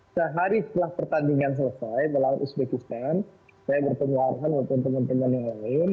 sehari setelah pertandingan selesai melawan uzbekistan saya bertemu arhan maupun teman teman yang lain